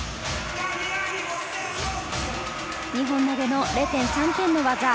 ２本投げの０．３点の技。